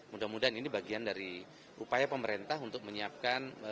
mudah mudahan ini bagian dari upaya pemerintah untuk menyiapkan